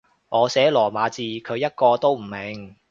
我寫羅馬字，佢一個都唔明